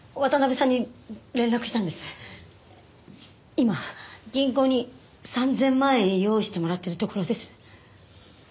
今銀行に３０００万円を用意してもらっているところです。